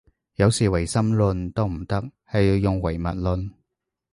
有時唯心論都唔得，係要用唯物論